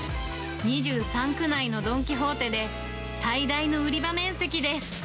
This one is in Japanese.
２３区内のドン・キホーテで、最大の売り場面積です。